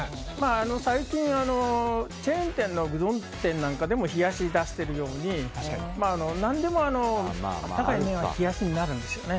最近チェーン店のうどん店なんかでも冷やしを出しているように何でもあったかい麺は冷やしになるんですよね。